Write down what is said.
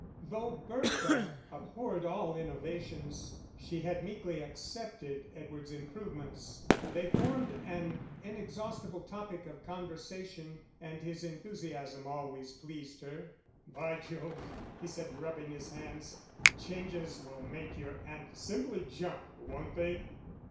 Though Bertha abhorred all innovations, she had meekly accepted Edward's improvements: they formed an inexhaustible topic of conversation, and his enthusiasm always pleased her. "By Jove," he said, rubbing his hands, "the changes will make your aunt simply jump, won't they?"